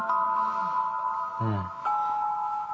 うん。